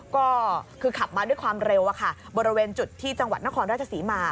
ก็คือขับมาด้วยความเร็วบริเวณจุดที่จังหวัดนครราชศรีมา